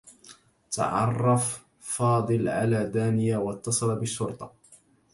تعرّف فاضل على دانية و اتّصل بالشّرطة.